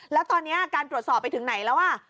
แล้วตอนนี้การตรวจสอบไปถึงไหนแล้ว